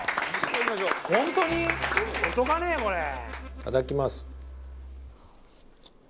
いただきます。